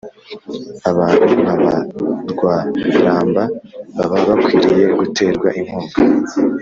Abantu nka ba Rwaramba baba bakwiriye guterwa inkunga